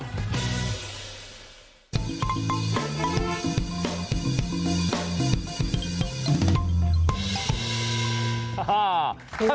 ทธดา